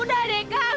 udah deh kang